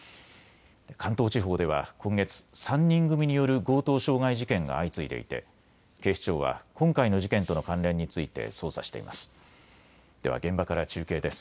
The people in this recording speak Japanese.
関東地方では今月、３人組による強盗傷害事件が相次いでいて警視庁は今回の事件との関連について捜査しています。